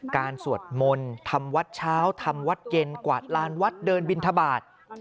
สวดมนต์ทำวัดเช้าทำวัดเย็นกวาดลานวัดเดินบินทบาท